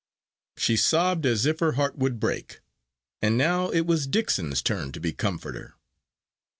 She sobbed as if her heart would break; and now it was Dixon's turn to be comforter.